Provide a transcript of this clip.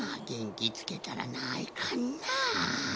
げんきつけたらないかんな。